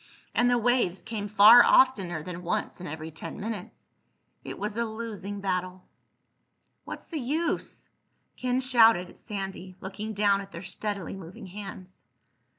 And the waves came far oftener than once in every ten minutes. It was a losing battle. "What's the use?" Ken shouted at Sandy, looking down at their steadily moving hands.